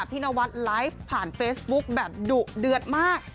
นวัดไลฟ์ผ่านเฟซบุ๊คแบบดุเดือดมาก